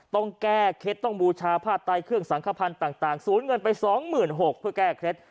ต้องแก้เคสต้องบูชาผ้าไต้เครื่องสังคพันธ์ต่างสูญเงินไป๒๖๐๐๐บาทเพื่อแก้เคส